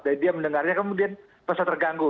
dan dia mendengarnya kemudian pas terganggu